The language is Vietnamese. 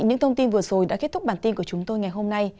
những thông tin vừa rồi đã kết thúc bản tin của chúng tôi ngày hôm nay